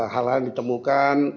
hal hal yang ditemukan